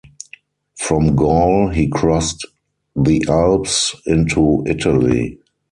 From Gaul he crossed the Alps into Italy.